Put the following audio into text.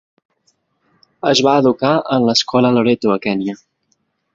Es va educar en l'escola Loreto a Kenya.